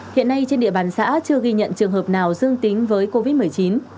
hiện nay trên địa bàn xã chưa ghi nhận trường hợp nào dương tính với covid một mươi chín